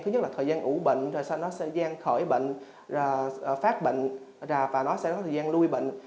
thứ nhất là thời gian ủ bệnh rồi sau nó sẽ gian khỏi bệnh phát bệnh và nó sẽ có thời gian lui bệnh